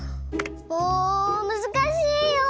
もうむずかしいよ！